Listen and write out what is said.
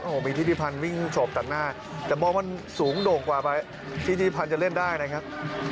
โอ้โหมีทิศิพันธ์วิ่งโฉบตัดหน้าแต่มองมันสูงโด่งกว่าไปพิธีพันธ์จะเล่นได้นะครับ